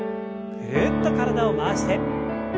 ぐるっと体を回して。